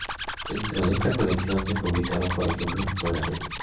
Dentro de esta colección se publicaron, por ejemplo, "Fotografías.